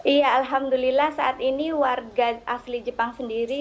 iya alhamdulillah saat ini warga asli jepang sendiri